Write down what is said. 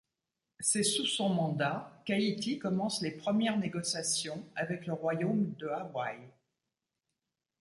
C'est sous son mandat qu'Haïti commence les premières négociations avec le royaume d'Hawaï.